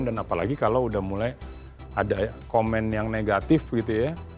dan apalagi kalau udah mulai ada komen yang negatif gitu ya